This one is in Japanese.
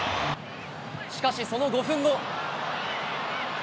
しかし、その５分後。